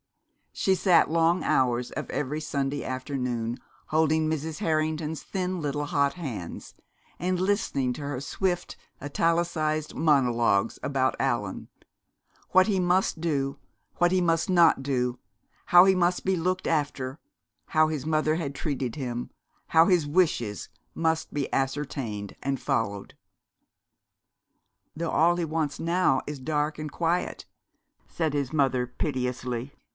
She sat, long hours of every Sunday afternoon, holding Mrs. Harrington's thin little hot hands, and listening to her swift, italicised monologues about Allan what he must do, what he must not do, how he must be looked after, how his mother had treated him, how his wishes must be ascertained and followed. "Though all he wants now is dark and quiet," said his mother piteously.